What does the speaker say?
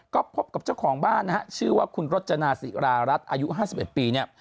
ก็พบกับเจ้าของบ้านนะฮะชื่อว่าคุณรจนาศิรารัฐอายุ๕๑ปีเนี่ย